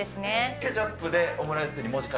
ケチャップでオムライスに文